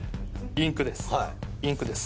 インクです